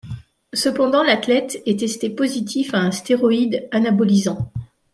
Cependant l'athlète est testé positif à un stéroïde anabolisant.